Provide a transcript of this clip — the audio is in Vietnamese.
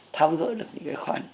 tham dỡ được những cái khoản